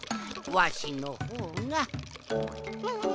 わしのほうがん